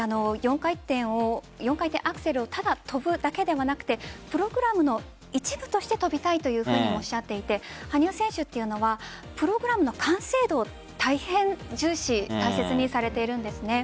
４回転アクセルをただ跳ぶだけではなくてプログラムの一部として跳びたいというふうにもおっしゃっていて羽生選手はプログラムの完成度を大変重視大切にされているんです。